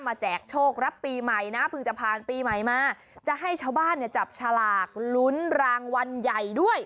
แจกโชครับปีใหม่นะเพิ่งจะผ่านปีใหม่มาจะให้ชาวบ้านเนี่ยจับฉลากลุ้นรางวัลใหญ่ด้วย